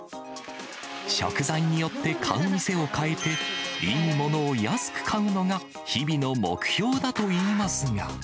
食材によって買う店を変えて、いいものを安く買うのが日々の目標だといいますが。